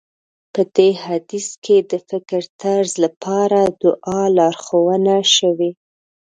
په دې حديث کې د فکرطرز لپاره دعا لارښوونه شوې.